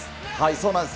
そうなんです。